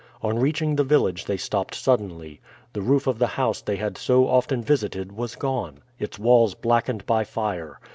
On reaching the village they stopped suddenly. The roof of the house they had so often visited was gone, its walls blackened by fire.